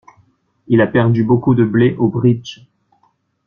Il a perdu beaucoup de blé au bridge.